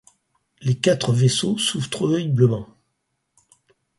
Les quatre vaisseaux souffrent horriblement.